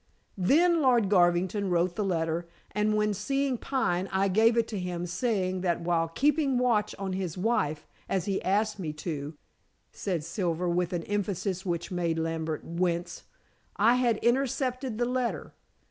"Then Lord Garvington wrote the letter, and when seeing Pine, I gave it to him saying that while keeping watch on his wife as he asked me to," said Silver with an emphasis which made Lambert wince, "I had intercepted the letter.